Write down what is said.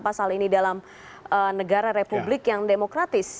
pasal ini dalam negara republik yang demokratis